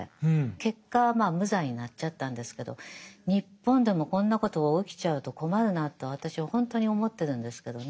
結果はまあ無罪になっちゃったんですけど日本でもこんなことが起きちゃうと困るなと私はほんとに思ってるんですけどね。